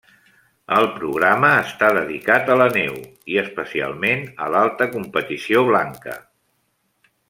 El programa està dedicat a la neu, i especialment, a l'alta competició blanca.